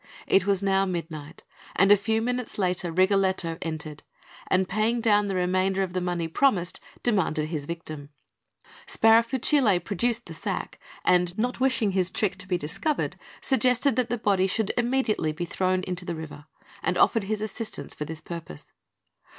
It was now midnight; and a few minutes later, Rigoletto entered, and paying down the remainder of the money promised, demanded his victim. Sparafucile produced the sack, and not wishing his trick to be discovered, suggested that the body should be immediately thrown into the river, and offered his assistance for this purpose.